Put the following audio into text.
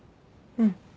うん。